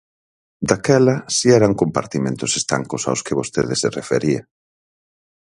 Daquela si eran compartimentos estancos aos que vostede se refería.